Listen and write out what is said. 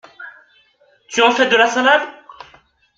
Tu en fais de la salade?